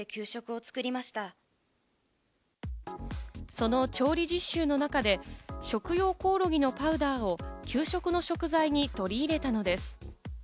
その調理実習の中で、食用コオロギのパウダーを給食の食材に取り入れたのです。